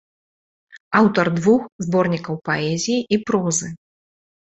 Аўтар двух зборнікаў паэзіі і прозы.